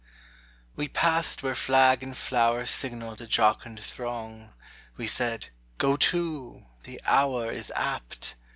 WE passed where flag and flower Signalled a jocund throng; We said: "Go to, the hour Is apt!"